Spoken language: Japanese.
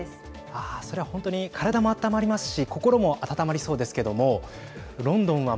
ああ、それは本当に体も温まりますし心も温まりそうですけどもロンドンは